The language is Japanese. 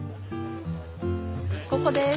ここです。